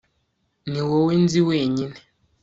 ni wowe nzi wenyine